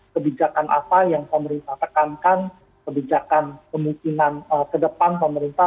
kebijakan apa yang pemerintah tekankan kebijakan kemungkinan ke depan pemerintah